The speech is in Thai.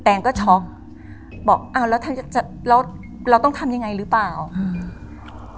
แนนก็ช็อกบอกอ้าวแล้วถ้าจะแล้วเราต้องทำยังไงหรือเปล่าอืม